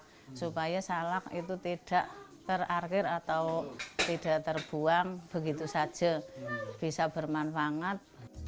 supaya salak itu tidak terakhir atau tidak terbuang begitu saja bisa bermanfaat